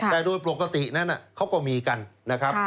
แต่โดยปกตินั้นเขาก็มีกันนะครับ